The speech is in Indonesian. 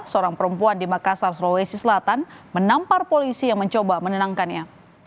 seorang perempuan di makassar sulawesi selatan menampar polisi yang mencoba menenangkannya